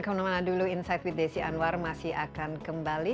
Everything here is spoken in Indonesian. kemana mana dulu insight with desi anwar masih akan kembali